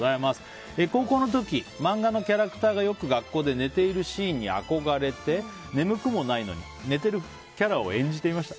高校の時、漫画のキャラクターがよく学校で寝ているシーンに憧れて、眠くもないのに寝てるキャラを演じていました。